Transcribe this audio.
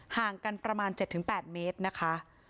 ห่างกันประมาณ๗๘เมตรนะคะ